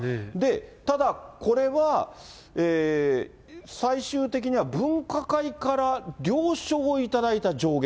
ただ、これは最終的には、分科会から了承を頂いた上限。